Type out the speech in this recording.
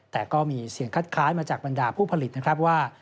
แต่ก็มีเสียงคัดค้านมาจากบรรดาผู้ผลิตนะครับว่า